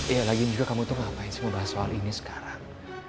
ya lagi juga kamu tuh ngapain sih membahas soal ini sekarang